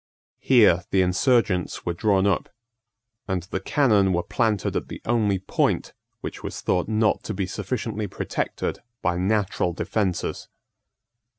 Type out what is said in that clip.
Here the insurgents were drawn up; and the cannon were planted at the only point which was thought not to be sufficiently protected by natural defences.